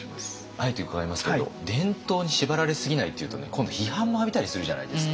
あえて伺いますけれど伝統に縛られすぎないっていうとね今度批判も浴びたりするじゃないですか。